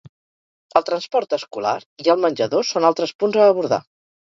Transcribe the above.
El transport escolar i el menjador són altres punts a abordar.